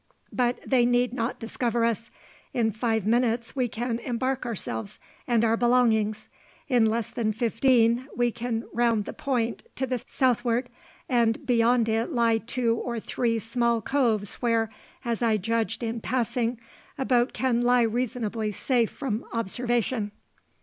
"But they need not discover us. In five minutes we can embark ourselves and our belongings; in less than fifteen we can round the point to the south'ard, and beyond it lie two or three small coves where, as I judged in passing, a boat can lie reasonably safe from observation."